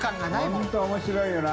本当面白いよな。